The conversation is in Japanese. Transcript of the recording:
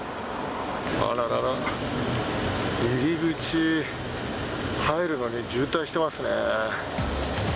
あららら、入り口、入るまでに渋滞してますね。